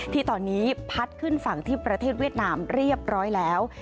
ที่ตอนนี้พัดขึ้นฝั่งที่ประเทศเวียดนามเรียบร้อยแล้ว